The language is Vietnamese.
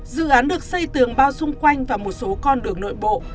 dự án được xây tường bao xung quanh và một số con đường nội bộ